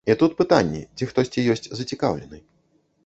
І тут пытанне, ці хтосьці ёсць зацікаўлены.